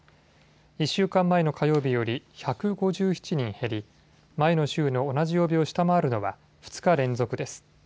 １週間前の火曜日より１５７人減り、前の週の同じ曜日を下回るのは２日連続です。